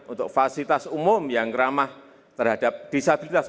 untuk fasilitas umum yang ramah terhadap disabilitas